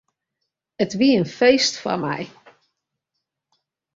It wie in feest foar my.